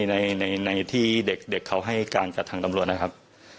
ในที่เด็กเขาให้การกับทางตำรวจนะครับ